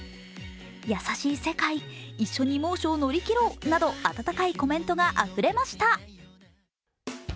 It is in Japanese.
優しい世界一緒に猛暑を乗り切ろうなど温かいコメントがあふれました。